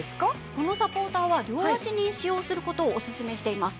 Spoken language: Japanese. このサポーターは両脚に使用する事をオススメしています。